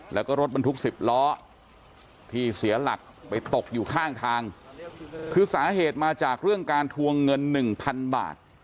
แล้วก็รถบรรทุก๑๐ล้อที่เสียหลักไปตกอยู่ข้างทางคือสาเหตุมาจากเรื่องการทวงเงินหนึ่งพันบาท